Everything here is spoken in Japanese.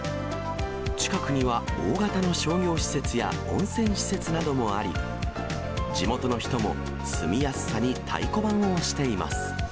近くには、大型の商業施設や温泉施設などもあり、地元の人も住みやすさに太鼓判を押しています。